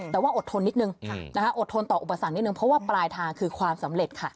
แต่ว่าอดทนนิดนึงนะคะอดทนต่ออุปสรรคนิดนึงเพราะว่าปลายทางคือความสำเร็จค่ะ